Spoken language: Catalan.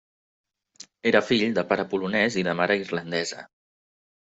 Era fill de pare polonès i de mare irlandesa.